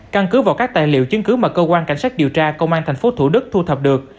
căn cứ vào các tài liệu chứng cứ mà cơ quan cảnh sát điều tra công an tp thủ đức thu thập được